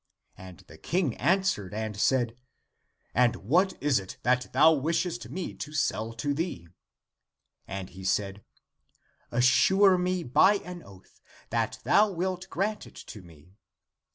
And the King answered and said, " And what is it that thou wishest me to sell to thee ?" And he said, " Assure me by an oath that thou wilt grant it to me."